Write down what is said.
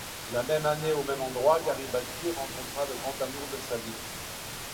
La même année, au même endroit, Garibaldi rencontra le grand amour de sa vie.